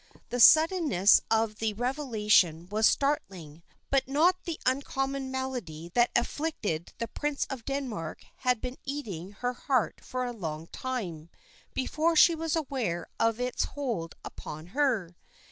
The suddenness of the revelation was startling; but the not uncommon malady that afflicted the Prince of Denmark had been eating her heart for a long time before she was aware of its hold upon her.